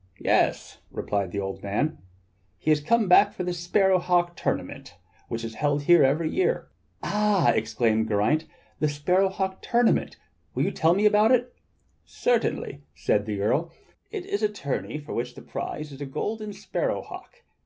^" "Yes," replied the old man. "He has come for the sparrow hawk tournament which is held here every year." "Ah!" exclaimed Geraint, "the sparrow hawk tournament, will you tell me about that?" "Certainly," said the Earl." It is a tourney for which the prize is a golden sparrow hawk.